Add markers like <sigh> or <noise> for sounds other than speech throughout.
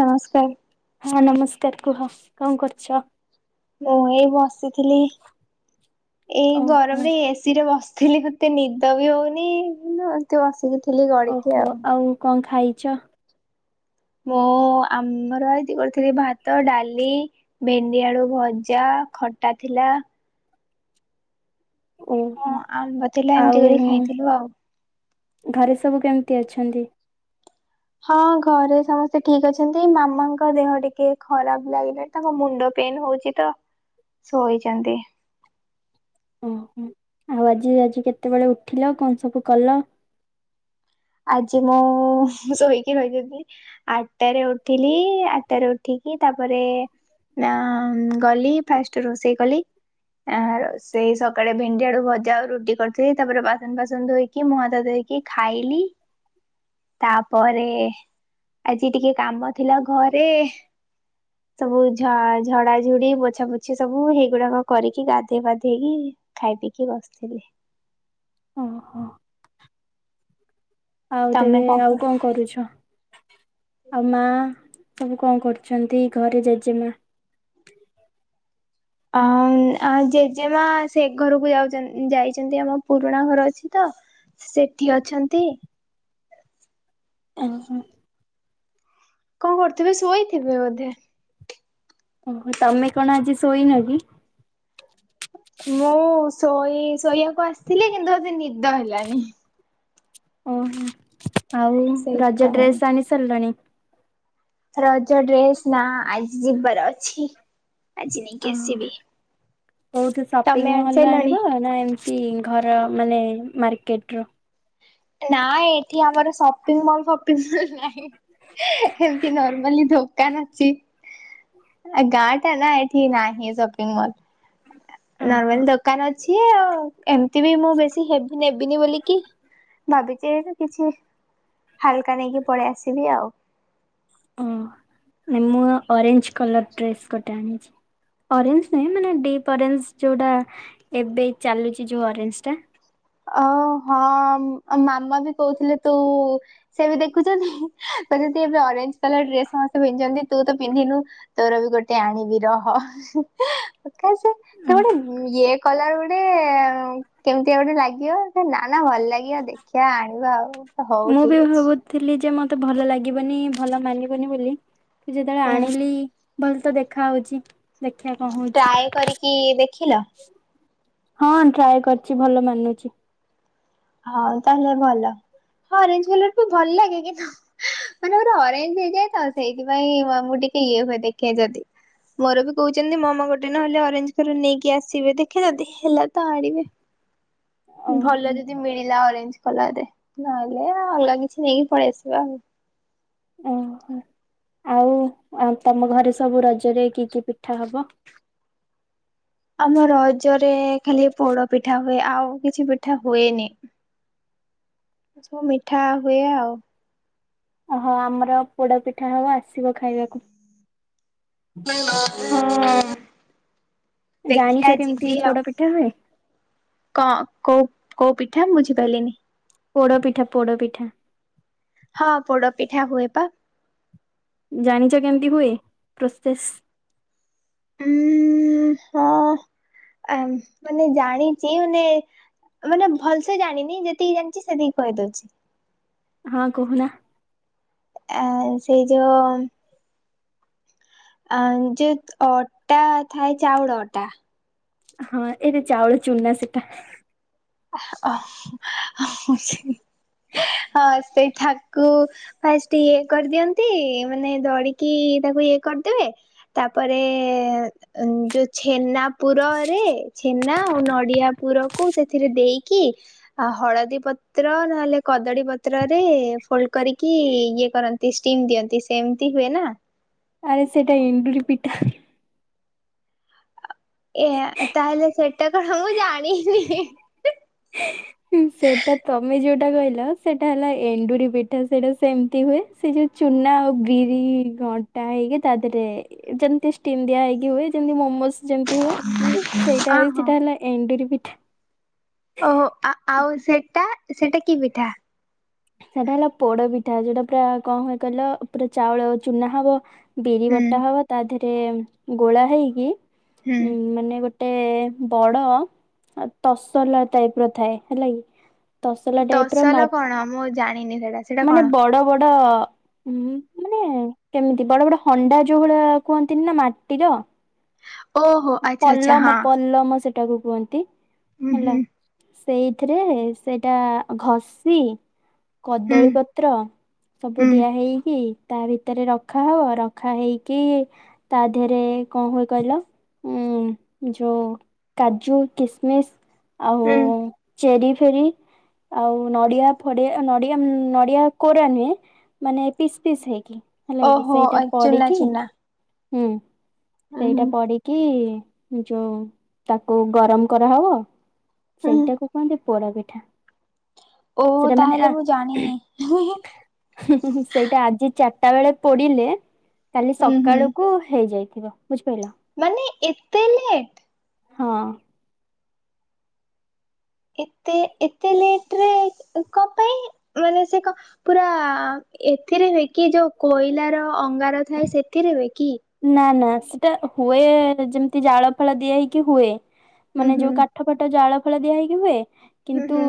ନମସ୍କାର୍। ହଁ ନମସ୍କାର୍ କୁହ କଣ କରୁଛ? ମୁଁ ଏଇ ବସିଥିଲି ଏଇ ଓହୋ ଗରମ୍ ରେ ଏ ସିରେ ବସିଥିଲି ମତେ ନିଦ ବି ହଉନି ଏମିତି ବସିକି ଥିଲି। ଓହୋ ଆଉ କଣ ଖାଇଛ? ମୁଁ ଆମର ଆଜି କରିଥିଲି ଭାତ, ଡାଲି ଭେଣ୍ଡିଆଳୁ ଭଜା ଖଟା ଥିଲା ହଁ ଓହୋ ଆମ୍ବ ଥିଲା ଆଉ ଏମିତି କରି ଖାଇଦେଲୁ ଆଉ। ଘରେ ସବୁ କେମିତି ଅଛନ୍ତି? ହଁ ଘରେ ସମସ୍ତେ ଠିକ ଅଛନ୍ତି ମାମାଙ୍କ ଦେହ ଟିକେ ଖରାପ ଲାଗିଲା ତାଙ୍କ ମୁଣ୍ଡ ପେନ ହଉଛି ତ ଶୋଇଛନ୍ତି ଓହୋ ଆଉ ଆଜି ଆଜି କେତେବେଳେ ଉଠିଲ କଣ ସବୁ କଲ ଆଜି ମୁଁ ଶୋଇକି ରହି ଯାଇଥିଲି ଆଠଟାରେ ଉଠିଲି ଆଠଟାରେ ଉଠିକି ତାପରେ ନା ଗଲି ଫାଷ୍ଟ ରୋଷେଇ କଲି ଆ ସେଇ ସକାଳେ ଭେଣ୍ଡିଆଳୁ ଭଜା ଆଉ ରୁଟି କରିଥିଲି ତାପରେ ବାସନ ଫାସନ ଧୋଇକି କି ମୁହଁ ହାତ ଧୋଇକି ଖାଇଲି ତାପରେ ଆଜି ଟିକେ କାମ ଥିଲା ଘରେ ସବୁ ଝ ଝଡାଝୁଡି ବୋଛା ପୋଛି ସବୁ ହେଇଗୁଡାକ କରିକି ଗାଧେଇବାଧେଇକି ଖାଇ ପିକି ବସିଥିଲି ଓହୋ ଆଉ ତେବେ ତମେ କର? ଆଉ କଣ କରୁଛ ଆଉ ମା ସବୁ କଣ କରୁଛନ୍ତି ଘରେ ଜେଜେମା ଅ ଜେଜେମା ସେ ଘରକୁ ଯାଉ ଯାଇଛନ୍ତି ଆମ ପୁରୁଣା ଘର ଅଛି ତ ସେଠି ଅଛନ୍ତି ଓହୋ କଣ କରୁଥିବେ ଶୋଇଥିବେ ବୋଧେ ଓ ତମେ କଣ ଆଜି ଶୋଇନ କି ମୁଁ ଶୋଇ ଶୋଇବାକୁ ଆସିଥିଲି। କିନ୍ତୁ ମତେ ନିଦ ହେଲାନି। ଓହୋ ଆଉ ରଜ ସେଇଥିପାଇଁ ଡ୍ରେସ୍ ଆଣି ସାରିଲେଣି। ରଜ ଡ୍ରେସ୍ ନା ଆଜି ଯିବାର ଅଛି। ଆଜି ନେଇକି ଆଉ ଆସିବି। କୋଉଠୁ ତମେ ସପିଙ୍ଗ ଆଣି ମହଲରୁ ସାଇଲଣି? ଆଣିବ ନା ଏମ୍ ଏଇ ଘର ମାନେ ମାର୍କେଟର ନାଇଁ ଏଠି ଆମର ସପିଙ୍ଗ ମଲ୍ ଫପିଙ୍ଗ ମଲ୍ ନାହିଁ। ଏମିତି ନର୍ମାଲି ଦୋକାନ ଅଛି। ଏ ଗାଁଟା ନା ଏଠି ନାହିଁ ସପିଙ୍ଗ ମଲ୍। ଓହୋ ନର୍ମାଲି ଦୋକାନ ଅଛି ଆଉ ଏମିତି ବି ମୁଁ ବେଶୀ ହେବି ନେବିନି ବୋଲି କି। ଭାବିଚି ଏଇଠୁ କିଛି ହାଲକା ନେଇକି ପଳେଇ ଆସିବି ଆଉ। ଓ ମୁଁ ଅରେଞ୍ଜ କଲର ଡ୍ରେସ୍ ଗୋଟେ ଆଣିଛି। ଅରେଞ୍ଜ ନୁହେଁ ମାନେ ଡିପ୍ ଅରେଞ୍ଜ ଯୋଉଟା ଏବେ ଚାଲୁଚି ଯୋଉ ଅରେଞ୍ଜଟା। ଓ ହଁ ଆଉ ମାମା ବି କହୁଥିଲେ ତୁ ସେ ବି ଦେଖୁଛନ୍ତି ତ। ଯଦି ଏବେ ଅରେଞ୍ଜ ତାହାହେଲେ ଡ୍ରେସ ସମସ୍ତେ ପିନ୍ଧିଚନ୍ତି। ତୁ ତ ପିନ୍ଧିନୁ ତୋର ବି ଗୋଟେ ଆଣିବି ରହ। ପ୍ରକାଶ ସେ ଉଁ ଗୋଟେ ଇଏ କଲର୍ ଗୋଟେ କେମିତିଆ ଗୋଟେ ଲାଗି ଦିଅ ନାଁ ନାଁ ଭଲ ଲାଗିବ ଦେଖିବା ଆଣିବା ଆଉ। ହଉ ମୁଁ ବି ଠିକ ଅଛି। ଭାବୁଥିଲି ଯେ ମତେ ଭଲ ଲାଗିବନି ଭଲ ମାନିବନି ବୋଲି। କି ଯେତେବେଳେ ହୁଁ ଆଣିଲି ଭଲ ତ ଦେଖା ହଉଛି। ଦେଖିବା କଣ ହଉଛି ଟ୍ରାଏ କରିକି ଦେଖିଲ। ହଁ ଟ୍ରାଏ କରିଛି ଭଲ ମାନୁଛି। ହଉ ତାହେଲେ ଭଲ ଅରେଞ୍ଜ କଲର ପା ଭଲ ଲାଗେ। କିନ୍ତୁ ମାନେ ଗୋଟେ ଅରେଞ୍ଜ ହେଇଯାଏ ତ। ସେଇଥିପାଇଁ ମୁଁ ଆମକୁ ଟିକେ ଇଏ ହୁଏ ଦେଖେ ଯଦି। ମୋର ବି କହୁଛନ୍ତି ମାମା ଗୋଟେ ନହେଲେ ଅରେଞ୍ଜ କ ନେଇକି ଆସିବେ। ଦେଖେ ଯଦି ହେଲା ତ ଆଣିବେ। <inaudible> ଭଲ ଓହୋ ଯଦି ମିଳିଲା ଅରେଞ୍ଜ କଲରରେ ନହେଲେ ଅଲଗା କିଛି ନେଇକି ପଳେଇ ଆସିବା ଆଉ। ଓହୋ ଆଉ ତମ ଘରେ ସବୁ ରଜରେ କି କି ପିଠା ହବ? ଆମ ରଜରେ ଖାଲି ପୋଡ ପିଠା ହୁଏ ଆଉ କିଛି ପିଠା ହୁଏନି। ଏ ସବୁ ମିଠା ହୁଏ ଆଉ। ଓହୋ ଆମର ପୋଡ଼ ପିଠା ହବ ଆସିବ ଖାଇବାକୁ। ହଁ ଜାଣିଛ ଦେଖିଆ କେମିତି ଯିବି ପୋଡ ଆଉ। ପିଠା ହୁଏ? କଁ କୋଉ କୋଉ ପିଠା ବୁଝିପାରିଲିନି? ପୋଡ ପିଠା ପୋଡ଼ ପିଠା। ହଁ ପୋଡ଼ ପିଠା ହୁଏ ପା। ଜାଣିଚ କେମିତି ହୁଏ ପ୍ରୋସେସ। ଉଁ ହଁ ଆ ମାନେ ଜାଣିଚି ମାନେ ମାନେ ଭଲ ସେ ଜାଣିନି ଯେତିକି ଜାଣିଛି ସେତିକି କହିଦଉଛି। ହଁ କହୁନା। ଆ ସେଇ ଯୋଉ ଆଁ ଯୋଉ ଅଟା ଥାଏ ଚାଉଳ ଅଟା। ହଁ ଏଇଟା ଚାଉଳ ଚୁନା ସେଟା। ଓ ହଁ ସେଇଟା କୁ ଫାଷ୍ଟ ଇଏ କରିଦିଅନ୍ତି ମାନେ ଦଳିକି ତାକୁ ଇଏ କରିଦେବେ। ତାପରେ ଉଁ ଯୋଉ ଛେନା ପୁରରେ ଛେନା ଆଉ ନଡ଼ିଆ ପୁରକୁ ସେ ଏଥିରେ ଦେଇକି। ଆ ହଳଦୀ ପତ୍ର ନହେଲେ କଦଳୀ ପତ୍ରରେ ଫୋଲ୍ଡ କରିକି ଇଏ କରନ୍ତି। ଷ୍ଟିମ୍ ଦିଅନ୍ତି ସେମିତି ହୁଏ ନା? ଆରେ ସେଇଟା ଏଣ୍ଡରି ପିଠା। ଏ ତାହେଲେ ସେଟା କଣ ମୁଁ ଜାଣିନି। ହୁଁ। ସେଟା ତମେ ଯୋଉଁଟା କହିଲ ସେଇଟା ହେଲା ଏଣ୍ଡୁରି ପିଠା ସେଇଟା ସେମିତି ହୁଏ। ସେ ଯୋଉଁ ଚୁନା ଆଉ ବିରି ଗଣ୍ଟା ହେଇକି ତା ଦେହରେ ଯେମିତି ଷ୍ଟିଣ୍ଡିଆ ହେଇକି ହୁଏ ଯେମିତି ମୋମୋଜ୍। ଯେମତି ହୁଏ ଅ ସେଇଟା ହଁ। ସେଟା ହେଲା ଏଣ୍ଡୁରି ପିଠା। ଓହୋ ଆଁ -ଆଉ ସେଟା ସେଇଟା କି ପିଠା। ସେଇଟା ହେଲା ପୋଡ ପିଠା ଯୋଉଟା ପୁରା କଣ ହୁଏ କହିଲ ପୁରା ଚାଉଳ ଚୁନା ହବ। ବିରି ହୁଁ ବଟା ହବ ତା ଦେହରେ ଗୋଳା ହେଇକି ହୁଁ ମାନେ ଗୋଟ୍ ଗୋଟେ ବଡ ତସଲା ଟାଇପ୍ ର ଥାଏ ହେଲା କିି। ତସଲା ଟାଇପ୍ ର ମା ତସଲ କଣ ଆମ ଜାଣିନି ସେଇଟା। ମାନେ ବଡ ବଡ ଉଁ ମାନେ କେମିତି ବଡ ବଡ ହଣ୍ଡା ଯୋଉଁ ଭଳିଆ କୁହନ୍ତିନି ନା ମାଟିର। ପଲମ ପଲମ ସେଟାକୁ କୁହନ୍ତି ହେଲା। ସେଇଥିରେ ସେଟା ଘଷି। କଦଳୀ ପତ୍ର ସବୁ ଦିଆ ହେଇକି। ତା ଭିତରେ ରଖା ହବ ରଖା ହେଇକି ତା ଦେହରେ କଣ ହୁଏ କହିଲ? ଉଁ ଯୋଉଁ କାଜୁ କିସମିସ୍ ଆଉ ଚେରି ଫେରି ଆଉ ନଡିଆ ଫଡିଆ ନଡିଆ ନଡିଆ କୋରା ନୁହେଁ। ମାନେ ପିସ୍ ପିସ୍ ହେଇକି ହେଲା କି ସେଇଟା ପଡି କି ହୁଁ ସେଇଟା ପଡି କି ଯୋଉଁ ତାକୁ ଗରମ୍ କରାହେବ ସେଇଟାକୁ କୁହନ୍ତି। ପୋଡପିଠା। ଓହ ତାହେଲେ ମୁଁ ଜାଣିନି, ହିଁ- ହିଁ ଉଁ -ଉଁ ସେଇଟା ଆଜି ଚାରିଟା ବେଳେ ପୋଡିଲେ। କାଲି ହୁଁ ସକାଳକୁ ହେଇଯାଇଥିବ ବୁଝିପାରିଲ। ମାନେ ଏତେ ଲେଟ୍। ହଁ। ଏତେ ଏତେ ଲେଟ୍ ରେ କଣ ପାଇଁ ମାନେ ସେ କ ପୁରା ଏଥିରେ ହୁଏ କି ଯୋଉଁ କୋଇଲାର ଅଙ୍ଗାର ଥାଏ ସେଥିରେ ହୁଏ କି? ନାଁ ନାଁ ସେଟା ହୁଏ ଯେମିତି ଜାଳ ଫାଳ ଦିଆ ହେଇକି ହୁଏ ହୁଁ ମାନେ ଯୋଉଁ କା ହୁଁ କାଠ ଫାଟ ଜାଳ ଫାଳ ଦିଆ ହେଇକି ହୁଏ କିନ୍ତୁ ହୁଁ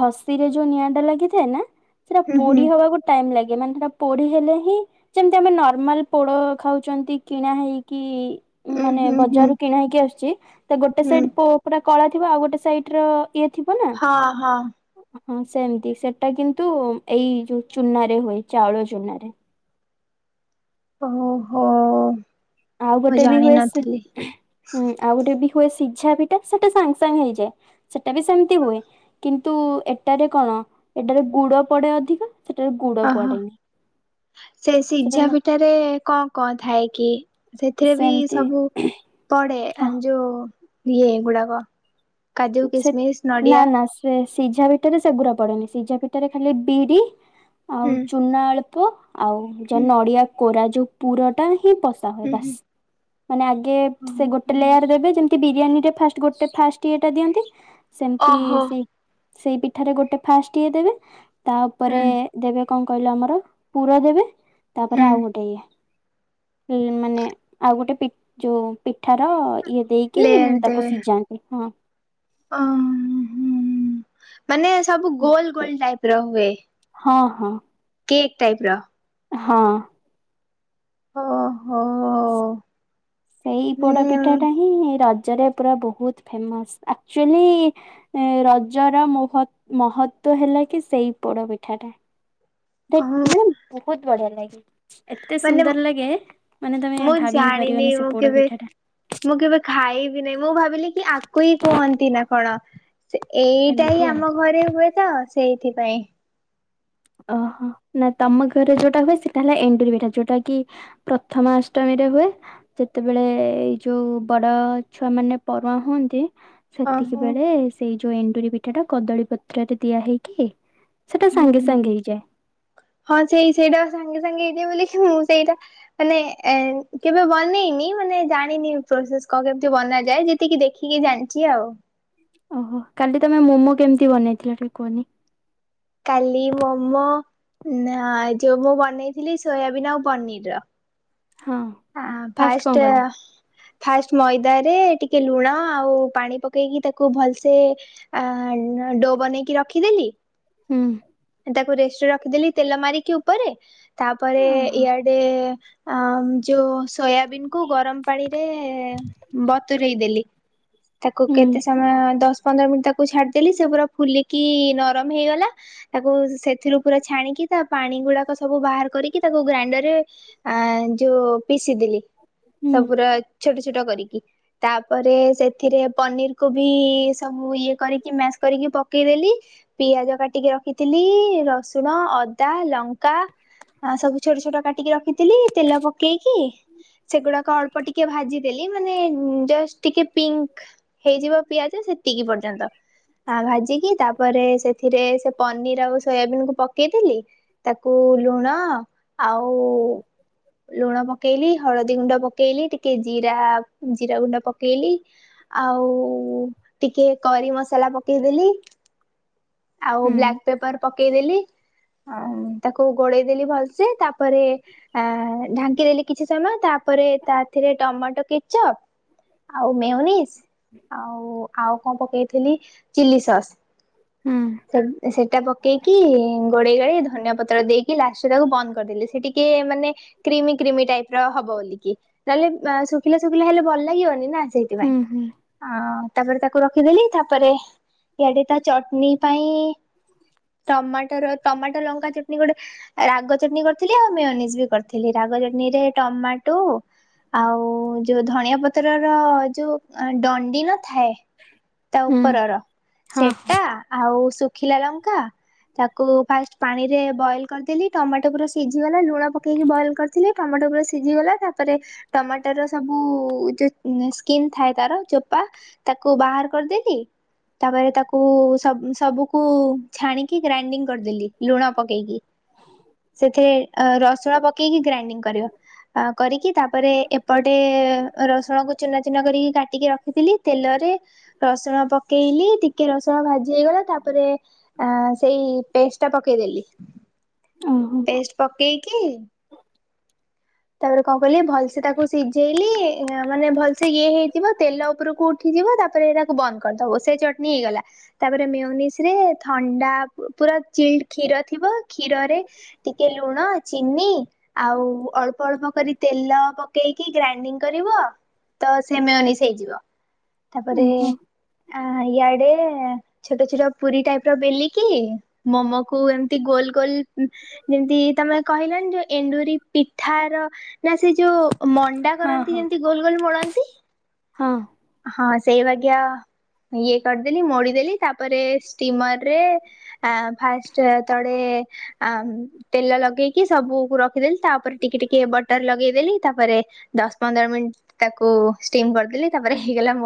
ଘଷି ରେ ଯୋଉଁ ନିଆଁ ଟା ଲାଗିଥାଏ ନାଁ। ସେଟା ହୁଁ ହୁଁ ପୋଡି ହବାକୁ ଟାଇମ୍ ଲାଗେ ମାନେ ସେଟା ପୋଡି ହେଲେ ହିଁ ଯେମ୍ତି ଆମେ ନର୍ମାଲ ପୋଡ ଖାଉ ଛନ୍ତି କିଣା ହେଇକି ହୁଁ ଉଁ ମାନେ ହୁଁ ହୁଁ ବଜାରୁ କିଣା ହେଇକି ଆସୁଛି ତ ଗୋଟେ ହୁଁ ସାଇଡ୍ ପୁ ପୁରା କଳା ଥିବ ଆଉ ଗୋଟେ ସାଇଟ୍ ର ଇଏ ଥିବ ନାଁ? ହଁ -ହଁ। ହଁ ସେମ୍ ତି ସେଟା କିନ୍ତୁ ଏଇ ଯୋଉ ଚୁନା ରେ ହୁଏ ଚାଉଳ ଚୁନା ରେ। ଓହୋ। ଆଉ ମୁଁ ଗୋଟେ ବି ହୁଏ ସେ ଜାଣିନଥିଲି ହଁ ଆଉ ଗୋଟେ ବି ହୁଏ ସିଝା ପିଠା, ସେଟା ସାଙ୍ଗ୍ ସାଙ୍ଗ୍ ହେଇଯାଏ। ସେଟା ବି ସେମତି ହୁଏ। କିନ୍ତୁ ଏଟାରେ କଣ? ଏଟାରେ ଗୁଡ ପଡେ ଅଧିକ ସେଟାରେ ଗୁଡ ଓହୋ ପଡେନି। ସେଟା ନା। ଠାରେ କଣ କଣ ଥାଏ କି? ସେଥିରେ ବି ସେମିତି ସବୁ ପଡେ ଆଁ ହଁ ଯୋଉ ଇଏ ଗୁଡାକ କାଜୁ ସେ, କିସମିସ ନା ନଡିଆ ନା ସେ ସିଝା ପିଠାରେ ସେଗୁଡା ପଡେନି। ସିଝା ପିଠାରେ ଖାଲି ବିରି ହୁଁ ଆଉ ଚୁନା ଅଳ୍ପ, ଆଉ ହୁଁ ଜ-ନଡିଆ କୋରା ଯୋଉ ପୁରଟା ହିଁ ବସ୍ ତାହ ହୁଁ ବାସ୍ ହୁଁ। ମାନେ ଆଗେ ସେ ଗୋଟେ ଲେୟାର ଦେବେ, ଯେମତି ବିରିୟାନୀ ରେ ଫାଷ୍ଟ ଗୋଟେ ଫାଷ୍ଟ ଇଏଟା ଦିଅନ୍ତି। ସେମତି ଓହୋ ସେ-ସେଇ ପିଠାରେ ଗୋଟେ ଫାଷ୍ଟ ଇଏ ଦେବେ, ହୁଁ ତାପରେ ଦେବେ କଣ କଇଲ ଆମର, ପୁର ଦେବେ, ହୁଁ ତାପରେ ଆଉ ଗୋଟେ ଇଏ ଏ ମାନେ ଆଉ ଗୋଟେ ପି ଯୋଉ ପିଠାର ଇଏ ଦେଇକି, ଲେୟାର ତାକୁ ସିଝା ଉ ହଁ। ଅ ହୁଁ, ମାନେ ସବୁ ଗୋଲ ଗୋଲ ଟାଇପ୍ ର ହୁଏ। ହଁ ହଁ। କେକ୍ ଟାଇପ୍ ର। ହଁ। ଓ ହୋ। ସେଇ ପୋଡ ପିଠାଟା ହିଁ ରଜରେ ପୁରା ବହୁତ୍ ଫେମସ୍। ଆକ୍ଚୁଆଲି ଏ ରଜର ମୁହତ ମହତ୍ଵ ହେଲା କି ସେଇ ପୋଡ଼ପିଠାଟା। ଦେ ମାନେ ବହୁତ୍ ବଢିଆ ଲାଗେ। ଏତେ ମାନେ ସୁନ୍ଦର ଲାଗେ, ମାନେ ତମେ ମୁଁ ଭାବି ବି ଜାଣିନି ପାରିବନି ସେ ମୁଁ ପୋଡ କେବେ ପିଠା ଟା ମୁଁ କେବେ ଖାଇବି ନେହିଁ, ମୁଁ ଭାବିଲି କି ଆକୁ ହିଁ କୁହନ୍ତି ନା କଣ? ସେ ଏଇଟା ହିଁ ଏମିତି ଆଉ। ଆମ ଘରେ ହୁଏ ତ, ସେଇଥିପାଇଁ ଓ ହୋ, ନା ତମ ଘରେ ଯୋଉଟା ହୁଏ ସେଟା ହେଲା ଏଣ୍ଡୁରି ପିଠା। ଯୋଉଟା କି ପ୍ରଥମା ଅଷ୍ଟମୀରେ ହୁଏ ଯେତେବେଳେ ଏଇ ଯୋଉ ବଡ ଛୁଆ ମାନେ ପରୁଆଁ ହୁଅନ୍ତି ସେତିକି ଓହୋ ବେଳେ ସେଇ ଯୋଉ ଏଣ୍ଡୁରି ପିଠା ଟା କଦଳୀ ପତ୍ରରେ ଦିଆ ହେଇକି ସେଟା ସାଙ୍ଗେ ହୁଁ। ସାଙ୍ଗେ ହେଇଯାଏ। ହଁ ସେଇ ସେଇଟା ସାଙ୍ଗେ ସାଙ୍ଗେ ହେଇଯା ବୋଲିକି, ମୁଁ ସେଇଟା ମାନେ ଏ କେବେ ବନେଇନି, ମାନେ ଜାଣିନି ପ୍ରୋସେସ୍ କଣକେମତି ବନାଯାଏ ଯି ଯେତିକି ଦେଖିକି ଜାଣିଛି ଆଉ। ଓ ହୋ। କାଲି ତମେ ମୋମୋ କେମତି ବନେଇଥିଲ ଟିକେ କୁହନି? କାଲି ମୋମୋ, ନା ଯୋଉ ମୁଁ ବନେଇଥିଲି ସୋୟାବିନ୍ ଆଉ ପନିର୍ ର। ହଁ। ଆଁ କଣ ଫାଷ୍ଟ କଲ? ଫାଷ୍ଟ୍ ମଇଦାରେ ଟିକେ ଲୁଣ ଆଉ ପାଣି ପକେଇକି ତାକୁ ଭଲ୍ ସେ ଆ ଡୋ ବନେଇକି ରଖିଦେଲି ହୁଁ। ତାକୁ ରେଷ୍ଟରେ ରଖିଦେଲି ତେଲ ମାରିକି ଉପରେ। ତାପରେ ଓହୋ ଇଆଡେ ଆ ଯୋଉ ସୋୟାବନ୍ କୁ ଗରମ ପାଣିରେ ବତୁରେଇ ଦେଲି। ତାକୁ ହୁଁ କେତେସ୍ ସମୟ ଦଶ୍ ପନ୍ଦର୍ ମିନିଟ୍ ତାକୁ ଛାଡିଦେଲି, ସେ ପୁରା ଫୁଲିକି ନରମ ହେଇଗଲା ତାକୁ ସେଥିରୁ ପୁରା ଛାଣିକି, ତା ପାଣି ଗୁଡାକ ସବୁ ବାହାର କରିକି, ତାକୁ ଗ୍ରାଇଣ୍ଡର ରେ ଆ ଯୋଉ ପିଶିଦେଲି। ହୁଁ ସବୁ ପୁରା ଛୋଟ ଛୋଟ କରିକି। ତାପରେ ସେଥିରେ ପନିର କୁ ବି ସବୁ ଇଏ କରିକି ମ୍ୟାସ କରିକି ପକେଇଦେଲି। ପିଆଜ କାଟିକି ରଖିଥିଲି ରସୁଣ ଅଦା ଲଙ୍କା। ଆଁ ସବୁ ଛୋଟ ଛୋଟ କାଟିକି ରଖିଥିଲି ତେଲ ପକେଇକି। ସେଗୁଡାକ ଅଳ୍ପ ଟିକେ ଭାଜିଦେଲି ମାନେ ଜଷ୍ଟ୍ ଟିକେ ପିଙ୍କ୍। ହେଇଯିବ ପିଆଜ ସେତିକି ପର୍ଯ୍ୟନ୍ତ ଆ ଭାଜିକି ତାପରେ ସେଥିରେ। ପନିର ଆଉ ସୋୟାବିନ୍ କୁ ପକେଇଦେଲି। ତାକୁ ଲୁଣ ଆଉ। ଲୁଣ ପକେଇଲି ହଳଦୀ ଗୁଣ୍ଡ ପକେଇଲି ଟିକେ ଜିରା ଜିରା ଗୁଣ୍ଡ ପକେଇଲି। ଆଉ ଟିକେ କରି ମସଲା ପକେଇଦେଲି ଆଉ। ହୁଁ ପେପର ପକି <unintelligible> ଆ ତାକୁ ଗୋଳେଇଦେଲି ଭଲ୍ ସେ ତାପରେ। ଆ ଢାଙ୍କିଦେଲି କିଛି ସମୟ ତାପରେ ତାଥିରେ ଟମାଟୋ କି। ଆଉ ମେୟୋନିସ୍ ଆଉ ଆଉ କଣ ପକେଇଥିଲି। ଚିଲ୍ଲି ସସ୍ ହୁଁ। ସେଟା ପକେଇକି। ଗୋଳେଇ ଗୋଳାଇ ଧନିଆ ପତ୍ର ଦେଇକି ଲାଷ୍ଟ୍ ରେ ତାକୁ ବନ୍ଦ କରିଦେଲି ସେ ଟିକେ ମାନେ କ୍ରିମି କ୍ରିମି ଟାଇପ୍। ହବ ବୋଲିକି ତାହେଲେ ଶୁଖିଲା ଶୁଖିଲା ହେଲେ ଭଲ ଲାଗିବନି ନା ହୁଁ ସେଇଥିପାଇ। ହୁଁ ଆ ତାପରେ ତାକୁ ରଖିଦେଲି ତାପରେ ଇଆଡେ ତା ଚଟଣି ପାଇଁ। ଟମାଟୋର ଟମାଟୋ ଲଙ୍କା ଚଟନି ଗୋଟେ ରାଗ ଚଟନୀ କରିଥିଲି ଆଉ ମେୟୋନିଜ୍ ବି କରିଥିଲି। ଥିଲି ରାଗ ଚଟଣି ରେ ଟମାଟୋ। ଆଉ ଯୋଉ ଧଣିଆ ପତ୍ରର ଯୋଉ ଦଣ୍ଡି ନ ଥାଏ। ହ। ତା ଉପରର ସେଟା ଆଉ। ଶୁଖିଲା ଲଙ୍କା ତାକୁ ଫାଷ୍ଟ୍ ପାଣିରେ ବଏଲ୍ କରିଦେଲି ଟମାଟୋ ପୁରା ସିଝିଗଲା ଲୁଣ। ପକେଇକି ବଏଲ କରିଥିଲି ଟମାଟୋ ପୁରା ସିଝିଗଲା ତା‌। ତାପରେ ଟମାଟର ସବୁ ଯୋଉ ସ୍କିିନ୍ ଥାଏ ତାର ଚୋପା। ତାକୁ ବାହାର କରିଦେଇକି ତାପରେ ତାକୁ ସବୁ ସବୁକୁ। ଛାଣିକି ଗ୍ରାଇଣ୍ଡିଙ୍ଗ କରିଦେଲି ଲୁଣ ପକେଇକି ସେଥିରେ ରସୁଣ। ପକେଇକି ଗ୍ରାଇଣ୍ଡିଂ କରିବ। ଅ କରିକି ତାପରେ ଏପଟେ ରସୁଣକୁ ଚୁନା ଚୁନା କରିକି କାଟିକି ରଖିଥିଲି ତେଲରେ। ରସୁଣ ପକେଇଲି ଟିକେ ରସୁଣ ଭାଜି ହେଇଗଲା ତାପରେ। ତାପରେ ସେଇ ପେଷ୍ଟ ଟା ପକେଇଦେଲି। ଓହୋ। ପେଷ୍ଟ ପକେଇକି। ତାପରେ କଣ କହିଲେ ଭଲସେ ତାକୁ ସିଝେଇଲି ମାନେ ଭଲସେ ଇଏ ହେଇଥିବ ତେଲ ଉପରକୁ। ଉଠିଯିବ ତାପରେ ତାକୁ ବନ୍ଦ କରିଦବ ସେ ଚଟଣି ହେଇଗଲା। ତାପରେ ମେୟୋନିସ୍ ରେ ଥଣ୍ଡା ପୁରା ଚିଲ୍ କ୍ଷୀର ଥିବ କ୍ଷୀରରେ। ଟିକେ ଲୁଣ ଚିନି ଆଉ ଅଳ୍ପ। ଅଳ୍ପ କରି ତେଲ ପକେଇକି ଗ୍ରାଇଣ୍ଡିଙ୍ଗ କରିବ। ତ ସେ ମେୟୋନିସ୍ ହେଇଯିବ ତାପରେ ଓହୋ। ଆ ଇଆଡେ। ଛୋଟ ଛୋଟ ପୁରୀ ଟାଇପ ର ବେଲିକି ମୋମକୁୁ ଏମିତି ଗୋଲ୍ ଗୋଲ୍। ଯେମିତି ତମେ କହିଲନି ଯୋଉ ଏଣ୍ଡୁରି ପି। ଠାର ନା ସେ ଯୋଉ ମଣ୍ଡା ହଁ କରନ୍ତି ହଁ। ଯେମିତି ଗୋଲ୍ ଗୋଲ୍ ମୋଳନ୍ତି। ହଁ। ହଁ ସେଇ ବାଗିଆ ଇଏ କରିଦେଲି ମୋଡିଦେଲି ତାପରେ ଷ୍ଟିମର୍ ରେ। ଆ ଫାଷ୍ଟ ତଳେ। ଆ, ତେଲ ଲଗେଇକି ସବୁକୁ ରଖିଦେଲି, ତାପରେ ଟିକେ ଟିକେ ବଟର ଲଗେଇଦେଲି, ତାପରେ ଦଶ ପନ୍ଦର ମିନିଟ୍ ତାକୁ ଷ୍ଟିମ୍ କରିଦେଲି, ତାପରେ ହେଇଗଲା ମୁ